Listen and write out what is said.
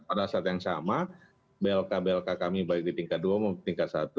pada saat yang sama blk blk kami baik di tingkat dua maupun tingkat satu